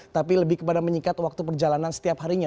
tapi lebih kepada menyikat waktu perjalanan setiap harinya